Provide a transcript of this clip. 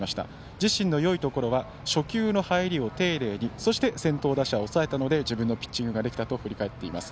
自身のよいところは初球の入りを丁寧にそして先頭打者を抑えたので自分のピッチングができたと振り返っています。